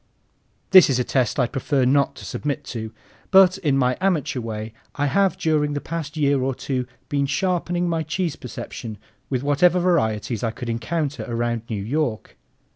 This is a test I'd prefer not to submit to, but in my amateur way I have during the past year or two been sharpening my cheese perception with whatever varieties I could encounter around New York.